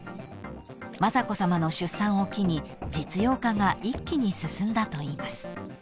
［雅子さまの出産を機に実用化が一気に進んだといいます］